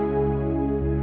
beli lagi dayon ya